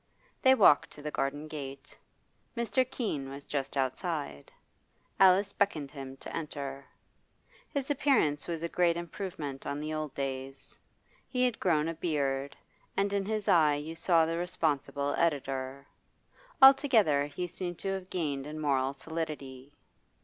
They walked to the garden gate. Mr. Keene was just outside; Alice beckoned to him to enter. His appearance was a great improvement on the old days; he had grown a beard, and in his eye you saw the responsible editor. Altogether he seemed to have gained in moral solidity.